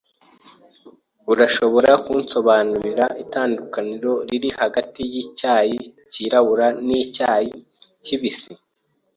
Urashobora kunsobanurira itandukaniro riri hagati yicyayi cyirabura nicyayi kibisi?